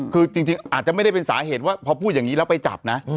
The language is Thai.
คือจริงอาจจะไม่ได้เป็นสาเหตุว่าพอพูดอย่างนี้แล้วไปจับนะ